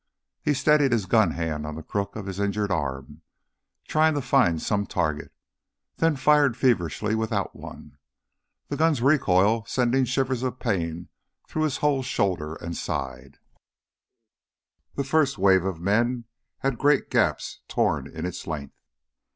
He steadied his gun hand on the crook of his injured arm, tried to find some target, then fired feverishly without one, the gun's recoil sending shivers of pain through his whole shoulder and side. The first wave of men had great gaps torn in its length.